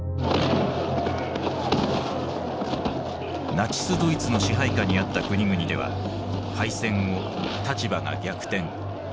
ナチスドイツの支配下にあった国々では敗戦後立場が逆転。